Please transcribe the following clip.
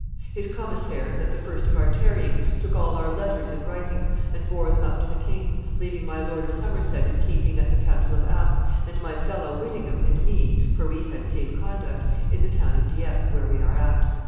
His commissaires, at the first of our tarrying, took all our letters and writings, and bore them up to the king, leaving my Lord of Somerset in keeping at the castle of Arques, and my fellow Whyttingham and me (for we had safe conduct) in the town of Dieppe, where we are yet.